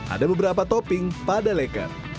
ada beberapa topping pada leker